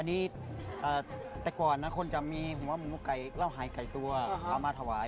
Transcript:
อันนี้แต่ก่อนคนมุมกายแล้วหายใกล้ตัวเรามาถวาย